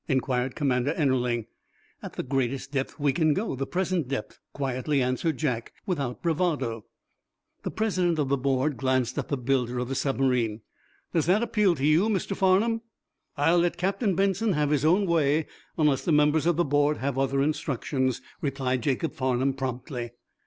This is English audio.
inquired Commander Ennerling. "At the greatest depth we can go, the present depth," quietly answered Jack, without bravado. The president of the board glanced at the builder of the submarine. "Does that appeal to you, Mr. Farnum?" "I'll let Captain Benson have his own way, unless the members of the board have other instructions," replied Jacob Farnum, promptly.